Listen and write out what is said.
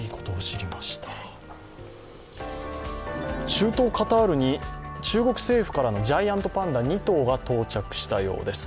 中東カタールに中国政府からのジャイアントパンダ２頭が到着したようです。